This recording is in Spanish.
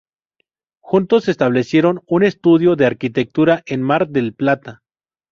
Juntos, establecieron un estudio de arquitectura en Mar del Plata.